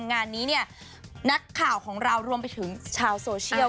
งานนี้เนี่ยนักข่าวของเรารวมไปถึงชาวโซเชียล